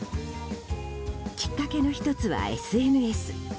きっかけの１つはＳＮＳ。